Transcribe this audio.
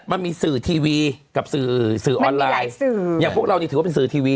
มันมีสื่อทีวีกับสื่อสื่อออนไลน์สื่ออย่างพวกเรานี่ถือว่าเป็นสื่อทีวี